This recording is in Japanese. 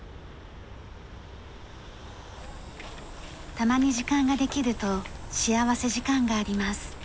たまに時間ができると幸福時間があります。